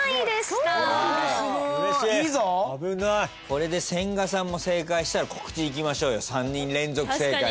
これで千賀さんも正解したら告知いきましょうよ３人連続正解だから。